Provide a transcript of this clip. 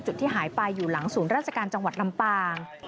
จุดที่หายไปอยู่หลังศูนย์ราชการจังหวัดลำปาง